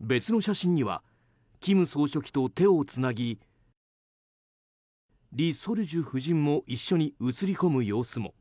別の写真には金総書記と手をつなぎリ・ソルジュ夫人も一緒に映りこむ様子も。